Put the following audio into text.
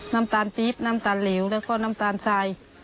น้ำตาลปี๊บน้ำตาลเหลวแล้วก็น้ำตาลทราย